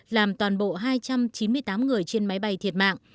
làm toàn bộ hai trăm chín mươi tám người trên máy bay thiệt mạng